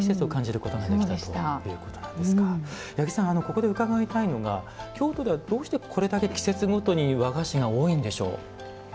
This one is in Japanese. ここで伺いたいのが京都ではどうしてこれだけ季節ごとに和菓子が多いんでしょう？